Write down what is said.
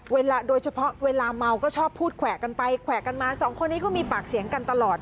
โดยเฉพาะเวลาเมาก็ชอบพูดแขวะกันไปแขวะกันมาสองคนนี้ก็มีปากเสียงกันตลอด